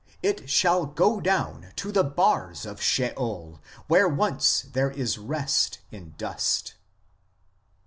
It shall go down to the bars of Sheol, where once there is rest in dust."